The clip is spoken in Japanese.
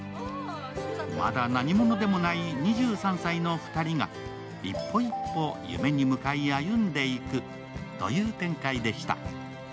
まだ何者でもない２３歳の２人が一歩一歩、夢に向かい歩んでいくという展開でした。